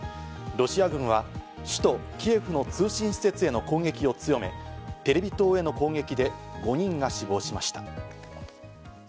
ロシア軍は首都キエフの通信施設への攻撃を強め、テレビ塔への攻撃で５人が死亡しました。